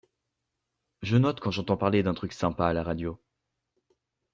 Je note quand j’entends parler d’un truc sympa à la radio.